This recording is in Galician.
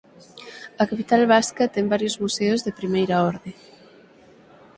A capital vasca ten varios museos de primeira orde.